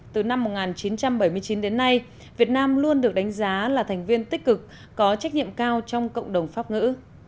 từ năm một nghìn chín trăm bảy mươi chín đến nay việt nam luôn được đánh giá là thành viên tích cực có trách nhiệm cao trong cộng đồng pháp ngữ